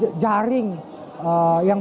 yang sudah diperoleh oleh ketua umum